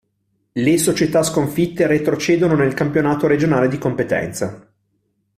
Le società sconfitte retrocedono nel campionato regionale di competenza.